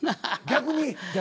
逆に。